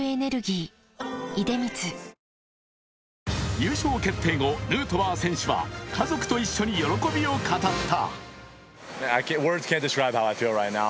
優勝決定後、ヌートバー選手は家族と一緒に喜びを語った。